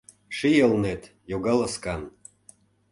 Ший Элнет йога ласкан.